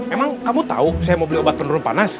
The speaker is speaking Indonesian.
emang kamu tau saya mau beli obat penurunan panas